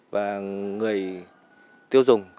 và người tiêu dùng